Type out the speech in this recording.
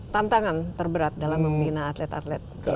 tantangan terberat dalam membina atlet atlet